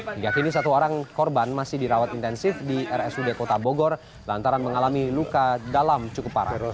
hingga kini satu orang korban masih dirawat intensif di rsud kota bogor lantaran mengalami luka dalam cukup parah